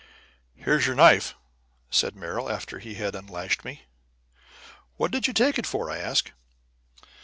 "Here's your knife," said Merrill, after he had unlashed me. "What did you take it for?" I asked.